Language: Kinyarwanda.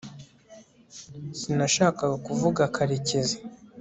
sinashakaga kuvuga karekezi